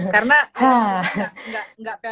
karena gak pernah